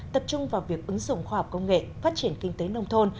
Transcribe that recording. tập trung vào việc ứng dụng khoa học công nghệ phát triển kinh tế nông thôn